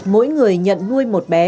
mỗi người nhận nuôi một bé